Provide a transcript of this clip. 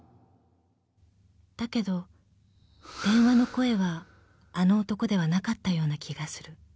［だけど電話の声はあの男ではなかったような気がする］なぁ実那子。